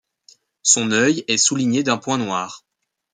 Son œil est souligné d'un point noir.